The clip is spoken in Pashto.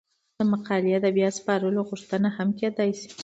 د مقالې د بیا سپارلو غوښتنه هم کیدای شي.